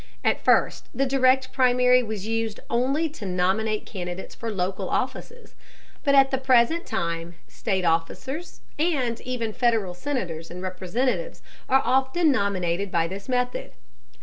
At first the Direct Primary was used only to nominate candidates for local offices, but at the present time state officers, and even Federal Senators and Representatives, are often nominated by this method.